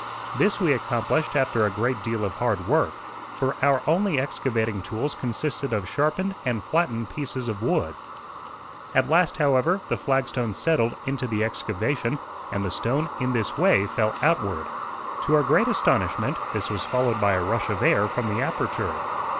This we accomplished after a great deal of hard work, for our only excavating tools consisted of sharpened and flattened pieces of wood. At last, however, the flag stone settled into the the excavation and the stone in this way fell outward. To our great astonishment this was followed by a rush of air from the aperture.